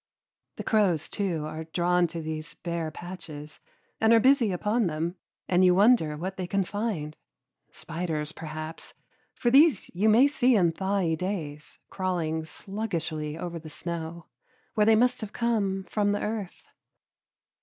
The crows, too, are drawn to these bare patches and are busy upon them, and you wonder what they can find; spiders, perhaps, for these you may see in thawy days crawling sluggishly over the snow, where they must have come from the earth.